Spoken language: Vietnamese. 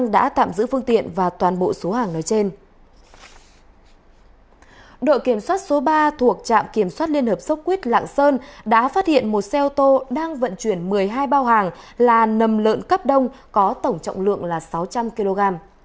đội kiểm soát số ba thuộc trạm kiểm soát liên hợp sốc quýt lạng sơn đã phát hiện một xe ô tô đang vận chuyển một mươi hai bao hàng là nầm lợn cấp đông có tổng trọng lượng là sáu trăm linh kg